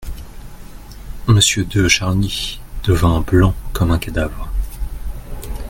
Monsieur de Charny devint blanc comme un cadavre.